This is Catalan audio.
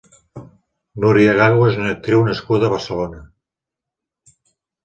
Núria Gago és una actriu nascuda a Barcelona.